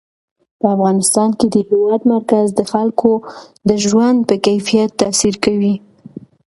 په افغانستان کې د هېواد مرکز د خلکو د ژوند په کیفیت تاثیر کوي.